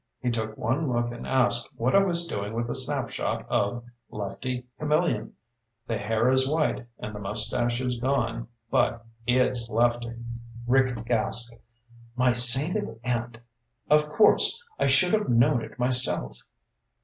He took one look and asked what I was doing with a snapshot of Lefty Camillion. The hair is white and the mustache is gone, but it's Lefty." Rick gasped. "My sainted aunt! Of course! I should have known it myself."